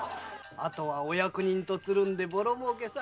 あとはお役人とつるんでボロ儲けさ。